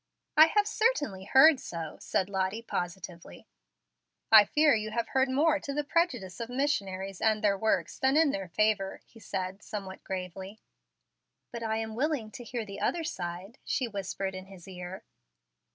"I have certainly heard so," said Lottie, positively. "I fear you have heard more to the prejudice of missionaries and their works than in their favor," he said somewhat gravely. "But I am willing to hear the other side," she whispered in his ear.